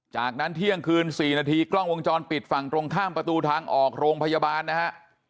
จากนั้นเที่ยงคืน๔นาทีกล้องวงจรปิดฝั่งตรงข้ามประตูทางออกโรงพยาบาลนะฮะ